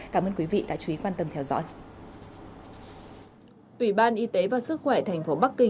cảm ơn quý vị đã chú ý quan tâm theo dõi